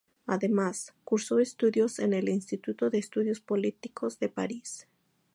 Además, cursó estudios en el Instituto de Estudios Políticos de París.